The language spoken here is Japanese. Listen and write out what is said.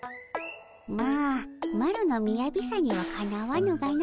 まあマロのみやびさにはかなわぬがの。